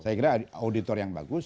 saya kira auditor yang bagus